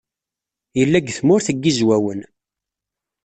Yella deg Tmurt n Yizwawen.